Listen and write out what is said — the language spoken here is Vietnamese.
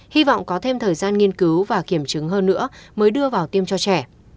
hy vọng có thêm thời gian nghiên cứu và kiểm chứng hơn nữa mới đưa vào tiêm cho trẻ